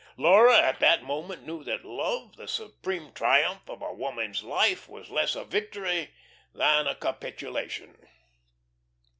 Laura in that moment knew that love, the supreme triumph of a woman's life, was less a victory than a capitulation.